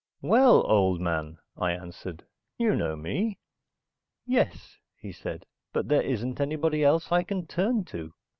"Well, old man," I answered. "You know me." "Yes," he said. "But there isn't anybody else I can turn to."